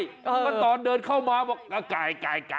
มันตอนเดินเข้ามาบอกไก่